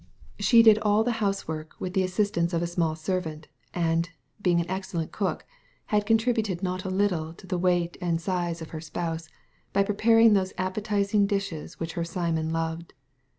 She did all the house work with the assistance of a small servant, and, being an excellent cook, had contributed not a little to the weight and size of her spouse by preparing those appetizing dishes which her Simon loved.